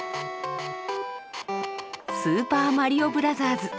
「スーパーマリオブラザーズ」。